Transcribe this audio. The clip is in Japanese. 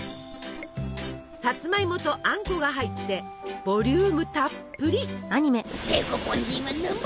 さつまいもとあんこが入ってボリュームたっぷり。